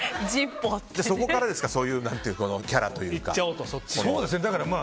そこからですかそういうキャラというか。